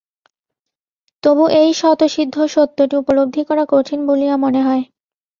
তবু এই স্বতঃসিদ্ধ সত্যটি উপলদ্ধি করা কঠিন বলিয়া মনে হয়।